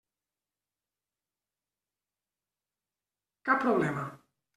Cap problema.